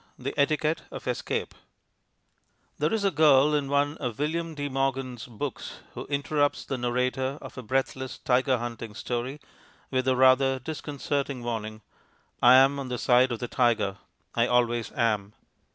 The Etiquette of Escape There is a girl in one of William de Morgan's books who interrupts the narrator of a breathless tiger hunting story with the rather disconcerting warning, "I'm on the side of the tiger; I always am."